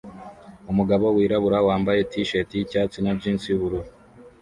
Umugabo wirabura wambaye t-shati yicyatsi na jans yubururu